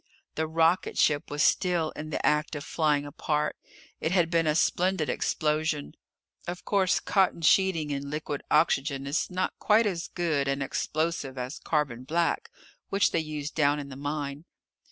The rocketship was still in the act of flying apart. It had been a splendid explosion. Of course cotton sheeting in liquid oxygen is not quite as good an explosive as carbon black, which they used down in the mine.